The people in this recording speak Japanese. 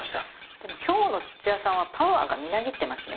でも今日の土屋さんはパワーがみなぎってますね。